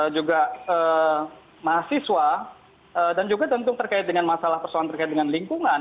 juga mahasiswa dan juga tentu terkait dengan masalah persoalan terkait dengan lingkungan